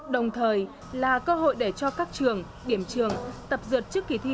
đồng thời là cơ hội để cho các trường điểm trường tập dượt trước kỳ thi